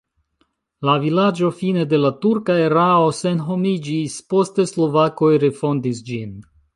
La vilaĝo fine de la turka erao senhomiĝis, poste slovakoj refondis ĝin.